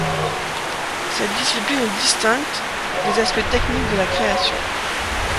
Cette discipline est distincte des aspects techniques de la création.